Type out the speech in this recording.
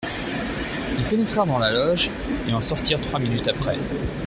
Ils pénètrent dans la loge, et en sortent trois minutes après.